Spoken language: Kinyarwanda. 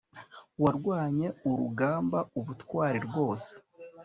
warwanye urugamba ubutwari rwose